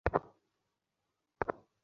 কথা বলুন, খেলুন, সময় কাটান।